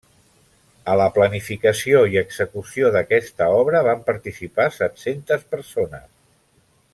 A la planificació i execució d'aquesta obra van participar set-centes persones.